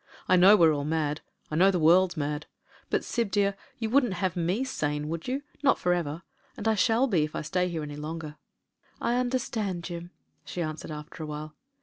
I know we're all mad — I know the world's mad; but, Syb, dear, you wouldn't have me sane, would you; not for ever? And I shall be if I stay here any longer. ..." "I understand, Jim," she answered, after a while.